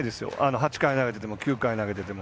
８回投げてても９回投げてても。